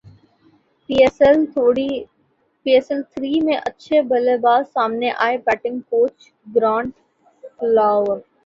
پی S L three میں اچھے بلے باز سامنے ائے بیٹنگ کوچ گرانٹ فلاور